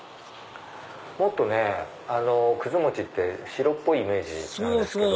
もっともちって白っぽいイメージなんですけど。